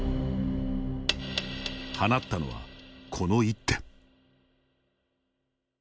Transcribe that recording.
放ったのは、この一手。